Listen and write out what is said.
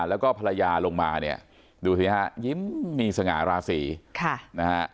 แล้วก็ภรรยาลงมาเนี่ยดูสิฮะยิ้มมีสง่าราศีค่ะนะฮะ